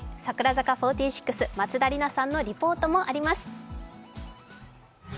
櫻坂４６・松田里奈さんのリポートもあります。